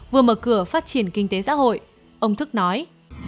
vừa mở cửa phát triển kinh tế xã hội ông thức nói